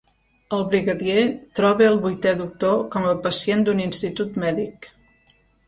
El Brigadier troba el vuitè doctor com a pacient d'un institut mèdic.